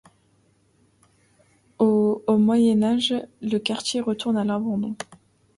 Au Haut Moyen Âge, le quartier retourne à l’abandon.